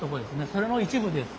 それの一部です。